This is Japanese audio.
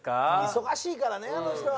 忙しいからねあの人は。